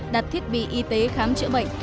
đặt thiết bị y tế khám chữa bệnh